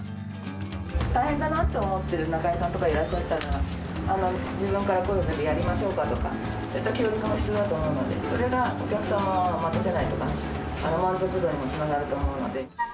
大変だなど思ってる仲居さんとかいらっしゃったら、自分から声をかけ、やりましょうか？とか、そういった協力も必要だと思うので、それがお客さんを待たせないとか、満足度にもつながると思うので。